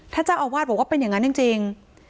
ถ้าเจ้าอาวาสบอกว่าเป็นอย่างนั้นจริง